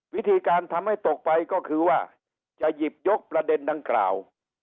วิธีการทำให้ตกไปก็คือว่าจะหยิบยกประเด็นดังกล่าว